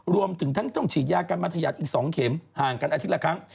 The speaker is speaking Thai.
รวมถึงทั้งต้องฉีดยากันมาทยาดอีก๒เข็มห่างกันอาทิตย์ละครั้ง